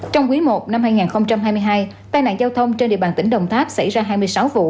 trong quý i năm hai nghìn hai mươi hai tai nạn giao thông trên địa bàn tỉnh đồng tháp xảy ra hai mươi sáu vụ